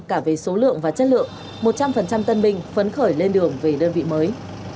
cả về số lượng và chất lượng một trăm linh tân binh phấn khởi lên đường về đơn vị mới